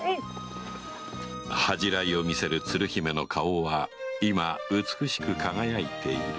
恥じらいを見せる鶴姫の顔は今美しく輝いている